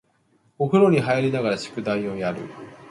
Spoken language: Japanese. お風呂に入りながら宿題をやる